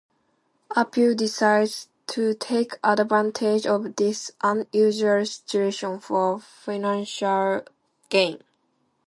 Apu decides to take advantage of this unusual situation for financial gain.